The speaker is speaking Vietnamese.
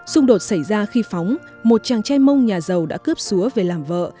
xung đột xảy ra khi phóng một chàng trai mông nhà giàu đã cướp xúa về làm vợ